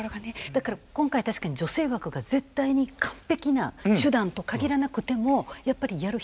だから今回確かに女性枠が絶対に完璧な手段と限らなくてもやっぱりやる必要はあるっていう。